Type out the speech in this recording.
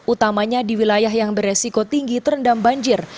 utamanya di wilayah yang beresiko tinggi terendam banjir